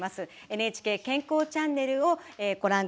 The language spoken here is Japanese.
「ＮＨＫ健康チャンネル」をご覧ください。